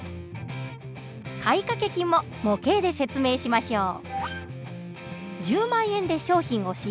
買掛金も模型で説明しましょう。